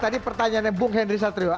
tadi pertanyaannya bung henry satrio